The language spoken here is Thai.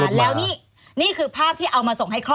แล้วนี่นี่คือภาพที่เอามาส่งให้ครอบครัว